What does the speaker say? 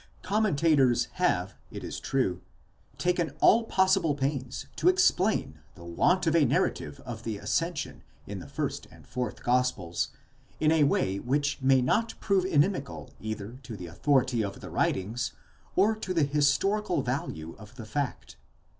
Commentators have, it is true, taken all possible pains to explain the want of a narrative of the ascension in the first and fourth gospels, in a way which may not prove inimical either to the authority of the writings, or to the historical value of the fact.